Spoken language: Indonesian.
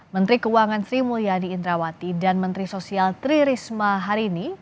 menteri keuangan sri mulyani indrawati dan menteri sosial tri risma hari ini